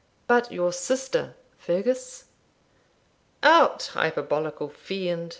'But your sister, Fergus?' 'Out, hyperbolical fiend!'